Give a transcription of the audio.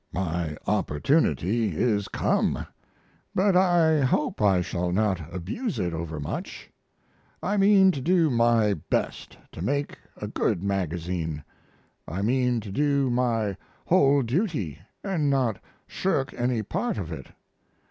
My opportunity is come, but I hope I shall not abuse it overmuch. I mean to do my best to make a good magazine; I mean to do my whole duty, & not shirk any part of it.